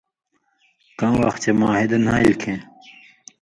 کؤں وخ چے معاہدہ نھالیۡ کھیں